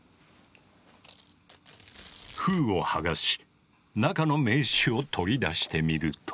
封を剥がし中の名刺を取り出してみると。